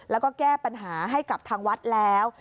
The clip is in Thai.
แล้วก็แก้ปัญหาให้กับทางวัดแล้ว